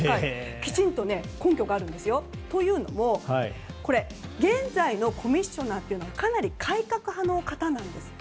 きちんと根拠があるんですよ。というのも現在のコミッショナーがかなり改革派の方なんですって。